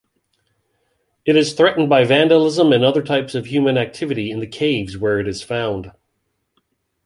It is threatened by vandalism and other types of human activity in the caves where it is found.